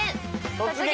「突撃！